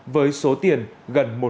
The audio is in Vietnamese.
với số tiền gần một một tỷ đồng